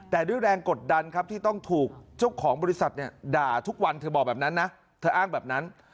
แต่ด้วยแรงกดดันครับที่ต้องถูกเจ้าของบริษัทเนี่ยด่าทุกวันเธอบอกแบบนั้นนะเธออ้างแบบนั้น